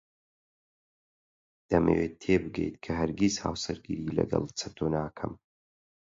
دەمەوێت تێبگەیت کە هەرگیز هاوسەرگیری لەگەڵ چەتۆ ناکەم.